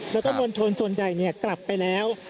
แล้วก็มวลชนส่วนใหญ่กลับไปแล้ว